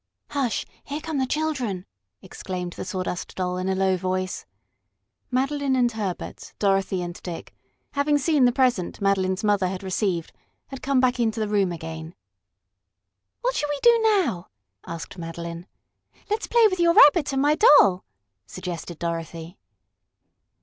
"Hush! Here come the children!" exclaimed the Sawdust Doll in a low voice. Madeline and Herbert, Dorothy and Dick, having seen the present Madeline's mother had received, had come back into the room again. "What shall we do now?" asked Madeline. "Let's play with your Rabbit and my Doll," suggested Dorothy.